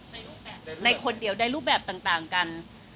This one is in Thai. ในรูปแบบในคนเดียวในรูปแบบต่างกัน